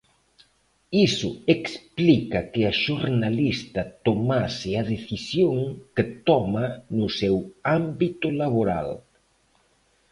Iso explica que a xornalista tomase a decisión que toma no seu ámbito laboral.